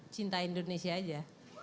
cinta indonesia aja